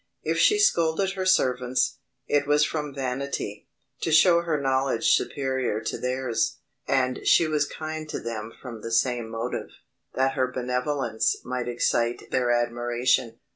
If she scolded her servants, it was from vanity, to show her knowledge superior to theirs: and she was kind to them from the same motive, that her benevolence might excite their admiration.